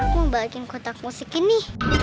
mau balikin kotak musik ini